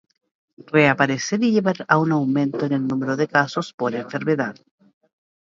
reaparecer y llevar a un aumento en el número de casos por enfermedad